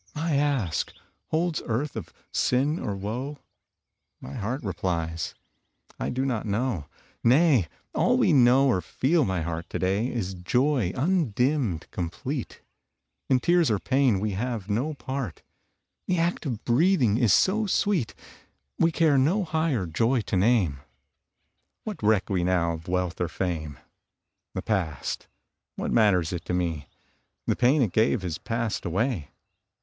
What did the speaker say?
I ask, "Holds earth of sin, or woe?" My heart replies, "I do not know." Nay! all we know, or feel, my heart, To day is joy undimmed, complete; In tears or pain we have no part; The act of breathing is so sweet, We care no higher joy to name. What reck we now of wealth or fame? The past what matters it to me? The pain it gave has passed away.